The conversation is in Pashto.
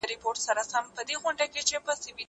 زه اوږده موده کار کوم؟!